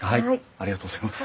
ありがとうございます。